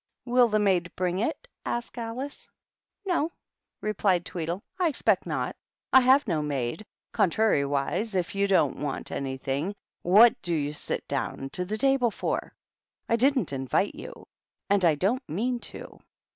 " Will the maid bring it ?" asked Alice. " No," replied Tweedle, " I expect not. I have no maid. Contrariwise, if you don't want any thing, what do you sit down to the table for ? I didn't invite you, and I don't mean to."